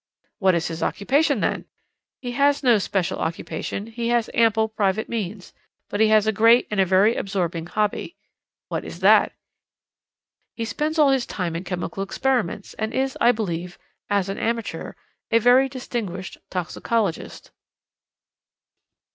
"'What is his occupation, then? "He has no special occupation. He has ample private means. But he has a great and very absorbing hobby.' "'What is that?' "'He spends all his time in chemical experiments, and is, I believe, as an amateur, a very distinguished toxicologist.'"